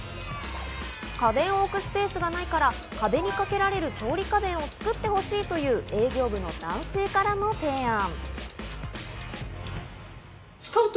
家電を置くスペースがないから壁に掛けられる調理家電を作ってほしいという営業部の男性からの提案。